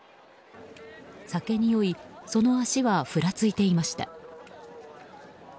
酒に酔い、その足はふらついていました。